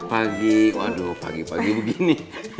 pagi waduh pagi pagi begini